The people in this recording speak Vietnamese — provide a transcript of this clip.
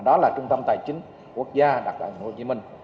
đó là trung tâm tài chính quốc gia đặc đại tp hcm